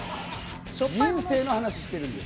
人生の話してるんです。